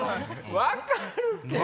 分かるけど。